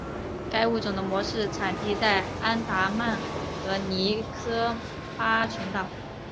该物种的模式产地在安达曼和尼科巴群岛。